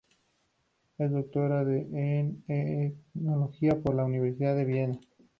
Es doctora en etnología por la Universidad de Viena.